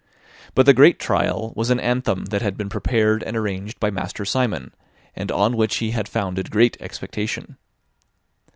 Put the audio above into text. But the great trial was an anthem that had been prepared and arranged by Master Simon, and on which he had founded great expectation.